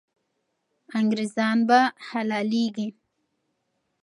انګریزان به حلالېږي.